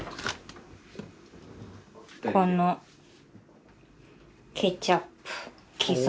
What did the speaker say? このケチャップ。